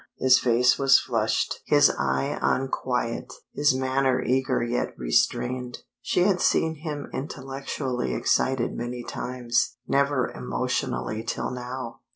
His face was flushed, his eye unquiet, his manner eager yet restrained. She had seen him intellectually excited many times; never emotionally till now.